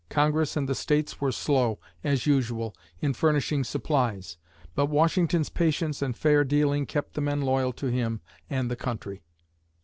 Congress and the States were slow, as usual, in furnishing supplies. But Washington's patience and fair dealing kept the men loyal to him and the country.